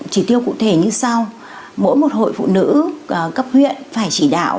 chỉ tiêu cụ thể như sau mỗi một hội phụ nữ cấp huyện phải chỉ đạo